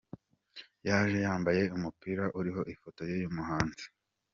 Yaje yambaye umupira uriho ifoto y'uyu muhanzi.